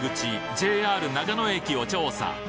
ＪＲ長野駅を調査